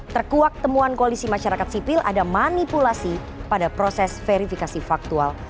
terkuak temuan koalisi masyarakat sipil ada manipulasi pada proses verifikasi faktual